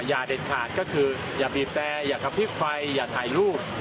เด็ดขาดก็คืออย่าบีบแต่อย่ากระพริบไฟอย่าถ่ายรูป